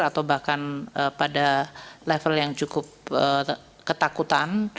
atau bahkan pada level yang cukup ketakutan